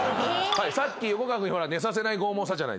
さっき横川君に寝させない拷問したじゃないですか。